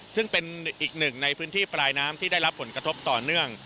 ซึ่งเป็นอีกหนึ่งในพื้นที่ปลายน้ำที่ได้รับผลกระทบต่อเนื่อง